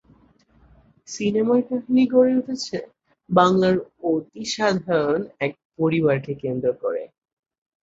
সিনেমার কাহিনী গড়ে উঠেছে বাংলার অতি সাধারণ এক পরিবারকে কেন্দ্র করে।